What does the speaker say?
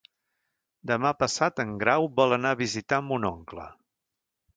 Demà passat en Grau vol anar a visitar mon oncle.